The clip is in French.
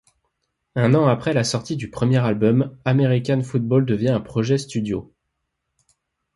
Un an après la sortie du premier album, American Football devient un projet studio.